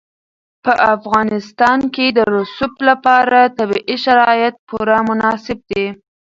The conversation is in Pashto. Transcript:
په افغانستان کې د رسوب لپاره طبیعي شرایط پوره مناسب دي.